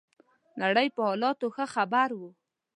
نړۍ په حالاتو ښه خبر وو.